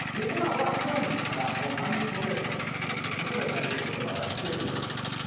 今は、去年からもう三人っ子政策にしようということで、方向転換しているんです。